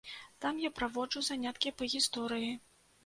Там я праводжу заняткі па гісторыі.